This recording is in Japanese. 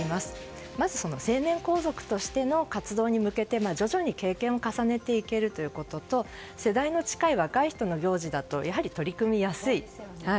まず、成年皇族としての活動に向けて徐々に経験を重ねていけるということと世代の近い若い人の行事だと取り組みやすい。